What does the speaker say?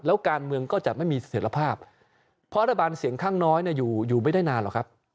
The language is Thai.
แล้วการเมืองก็จะไม่มีเสถียรภาพเพราะรัฐบาลเสียงข้างน้อยอยู่อยู่ไม่ได้นานหรอกครับ